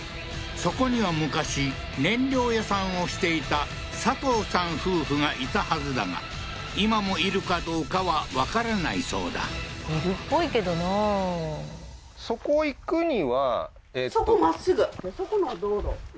そこには昔燃料屋さんをしていたサトウさん夫婦がいたはずだが今もいるかどうかはわからないそうだいるっぽいけどな滅多に？